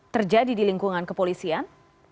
terjadi di lingkungan kepolisian